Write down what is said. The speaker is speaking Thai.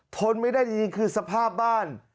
ทนไม่ได้จริงคือสภาพบ้าน